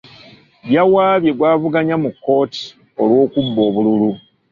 Yawaabye gw'avuganya mu kkooti olw'okubba obululu.